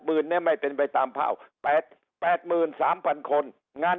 หมื่นเนี่ยไม่เป็นไปตามภาพแปดแปดหมื่นสามพันคนงาน